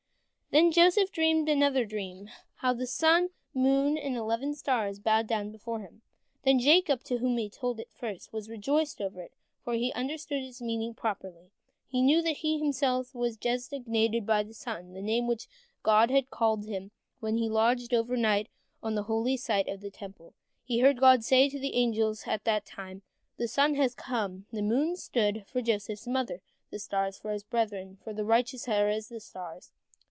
Then Joseph dreamed another dream, how the sun, the moon, and eleven stars bowed down before him, and Jacob, to whom he told it first, was rejoiced over it, for he understood its meaning properly. He knew that he himself was designated by the sun, the name by which God had called him when he lodged overnight on the holy site of the Temple. He had heard God say to the angels at that time, "The sun has come." The moon stood for Joseph's mother, and the stars for his brethren, for the righteous are as the stars.